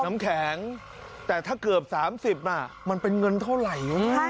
น้ำแข็งแต่ถ้าเกือบ๓๐น่ะมันเป็นเงินเท่าไหร่